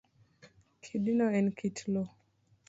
Kidino en kit loo